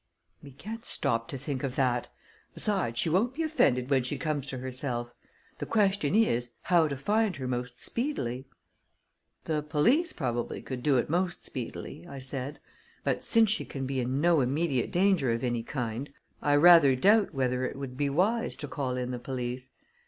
"We can't stop to think of that. Besides, she won't be offended when she comes to herself. The question is, how to find her most speedily." "The police, probably, could do it most speedily," I said; "but since she can be in no immediate danger of any kind, I rather doubt whether it would be wise to call in the police.